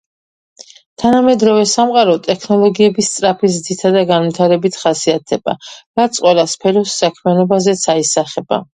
თანამედროვე სამყარო ტექნოლოგიების სწრაფი ზრდითა და განვითარებით ხასიათდება, რაც ყველა სფეროს საქმიანობაზეც აისახება